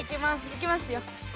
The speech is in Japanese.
いきますよ。